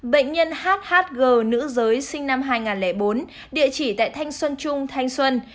bệnh nhân hhg nữ giới sinh năm hai nghìn bốn địa chỉ tại thanh xuân trung thanh xuân